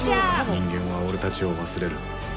人間は俺たちを忘れる。